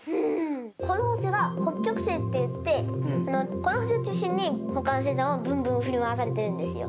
この星は北極星っていって、この星を中心にほかの星座はぶんぶん振り回されているんですよ。